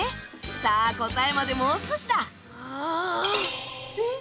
さぁ答えまでもう少しだえっ？